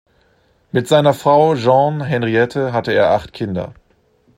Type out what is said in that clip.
Mit seiner Frau Jeanne Henriette hatte er acht Kinder.